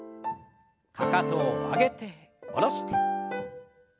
かかとを上げて下ろして。